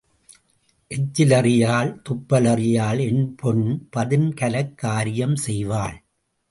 எச்சில் அறியாள், துப்பல் அறியாள் என் பெண் பதின்கலக் காரியம் செய்வாள்.